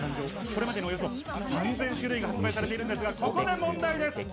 これまでにおよそ３０００種類が発売されているんですが、ここで問題です。